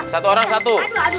satu orang satu